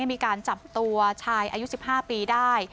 มีการจับตัวชายอายุ๑๕ปีได้